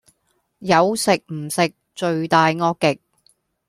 有食唔食，罪大惡極